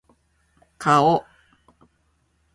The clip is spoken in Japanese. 顔